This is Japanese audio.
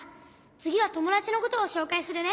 つぎはともだちのことをしょうかいするね。